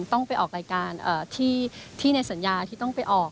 ต้องไปออกรายการที่ในสัญญาที่ต้องไปออก